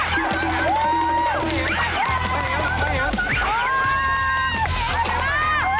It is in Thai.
ลูกใหม่ลูกใหม่ลูกใหม่ลูกใหม่